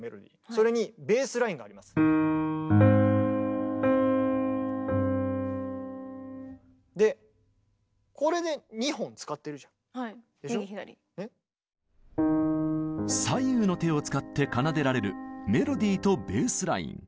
それにでこれで左右の手を使って奏でられるメロディーとベースライン。